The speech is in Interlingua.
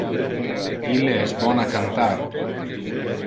Ille es bon a cantar.